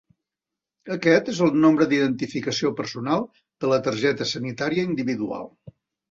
Aquest és el nombre d'identificació personal de la targeta sanitària individual.